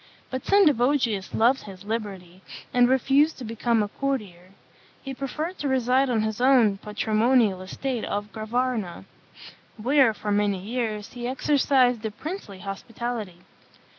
But Sendivogius loved his liberty, and refused to become a courtier. He preferred to reside on his own patrimonial estate of Gravarna, where, for many years, he exercised a princely hospitality.